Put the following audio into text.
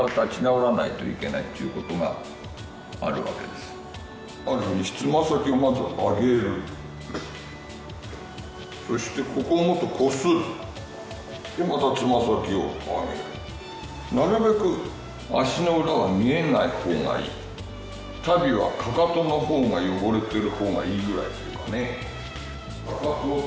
そしてまた狂言師親子の日々に帰る爪先をまず上げるそしてここをもっとこするでまた爪先を上げるなるべく足の裏は見えないほうがいい足袋はかかとのほうが汚れてるほうがいいぐらいっていうかね